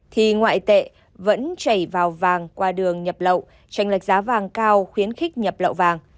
thì ngoại tệ vẫn chảy vào vàng qua đường nhập lậu tranh lệch giá vàng cao khuyến khích nhập lậu vàng